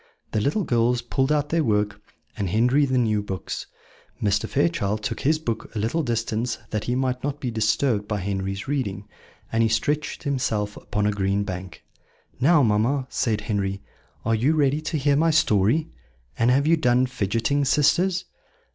The little girls pulled out their work, and Henry the new books. Mr. Fairchild took his book to a little distance, that he might not be disturbed by Henry's reading, and he stretched himself upon a green bank. "Now, mamma," said Henry, "are you ready to hear my story? And have you done fidgeting, sisters?"